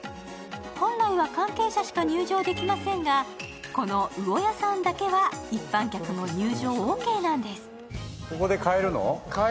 本来は関係者しか入場できませんがこのうお屋さんだけは一般客も入場オーケーなんです。